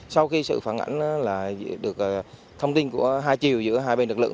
sau khi sự phản ảnh được thông tin của hai chiều giữa hai bên lực lượng